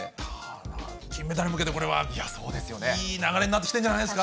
金メダルに向けて、これはいい流れになってきてるんじゃないです